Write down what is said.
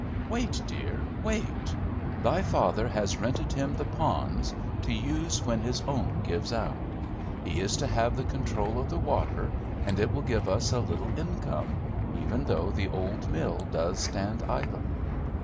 "Wait, dear, wait! Thy father has rented him the ponds, to use when his own gives out. He is to have the control of the water, and it will give us a little income, even though the old mill does stand idle."